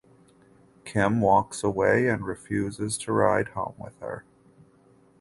Kim walks away and refuses to ride home with her.